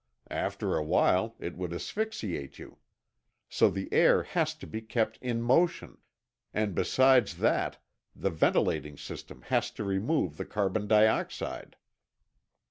After a while, it would asphyxiate you. So the air has to be kept in motion, and besides that the ventilating system has to remove the carbon dioxide."